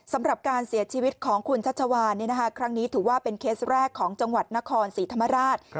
สำหรับการเสียชีวิตของคุณชัชวานครั้งนี้ถือว่าเป็นเคสแรกของจังหวัดนครศรีธรรมราช